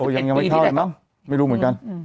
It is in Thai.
อย่างงี้ไม่เข้าเลยมั่งไม่รู้เหมือนกัน